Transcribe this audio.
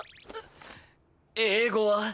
英語は？